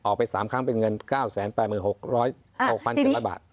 ไป๓ครั้งเป็นเงิน๙๘๖๗๐๐บาท